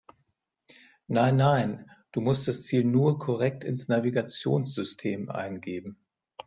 Nein, nein, du musst das Ziel nur korrekt ins Navigationssystem eingeben.